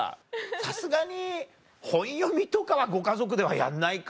さすがに本読みとかはご家族ではやんないか。